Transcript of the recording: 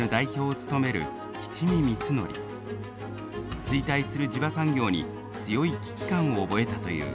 衰退する地場産業に強い危機感を覚えたという。